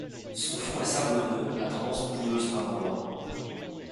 Son fond est sablonneux, à tendance boueuse par endroits.